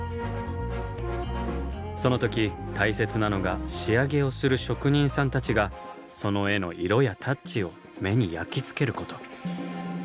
その時大切なのが仕上げをする職人さんたちがその絵の色やタッチを目に焼きつけること。